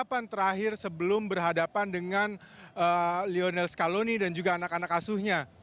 persiapan terakhir sebelum berhadapan dengan lionel scaloni dan juga anak anak asuhnya